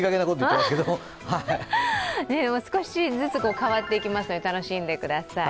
少しずつ変わっていきますので楽しんでください。